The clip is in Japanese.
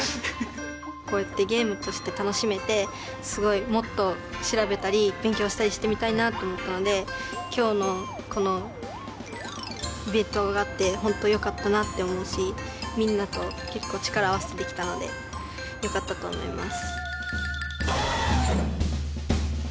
こうやってゲームとして楽しめてすごいもっと調べたり勉強したりしてみたいなと思ったので今日のこのイベントがあって本当よかったなって思うしみんなと結構力を合わせてできたのでよかったと思います。